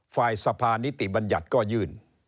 ฝ่ายสภานิติบัญญัติก็ยื่น